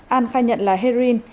an khai nhận là heroin